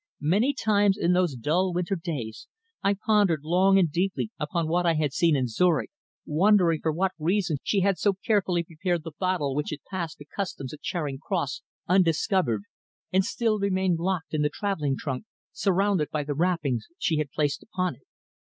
Many times in those dull winter days I pondered long and deeply upon what I had seen in Zurich, wondering for what reason she had so carefully prepared the bottle which had passed the customs at Charing Cross undiscovered, and still remained locked in the travelling trunk, surrounded by the wrappings she had placed upon it."